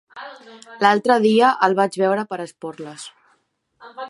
L'altre dia el vaig veure per Esporles.